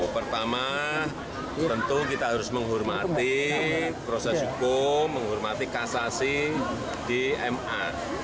pertama tentu kita harus menghormati proses hukum menghormati kasasi di ma